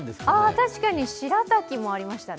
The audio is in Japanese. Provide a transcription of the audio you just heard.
確かに、しらたきもありましたね